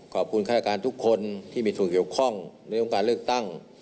ขอบคุณข้าระการทุกคนที่มีส่วนเกี่ยวข้องในโรงการเลือกตั้ง